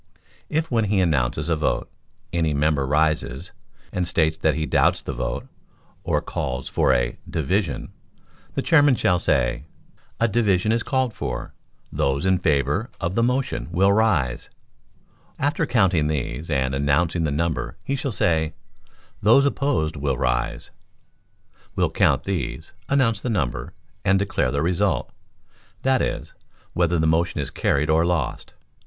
If, when he announces a vote, any member rises and states that he doubts the vote, or calls for a "division," the Chairman shall say, "A division is called for; those in favor of the motion will rise." After counting these, and announcing the number, he shall say, "Those opposed will rise." will count these, announce the number, and declare the result; that is, whether the motion is carried or lost.